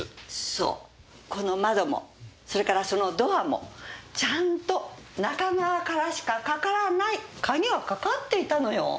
そうこの窓もそれからそのドアもちゃんと中側からしかかからない鍵がかかっていたのよ。